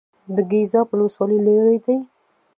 د ګیزاب ولسوالۍ لیرې ده